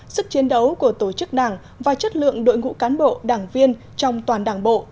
sức chiến đấu của tổ chức đảng và chất lượng đội ngũ cán bộ đảng viên trong toàn đảng bộ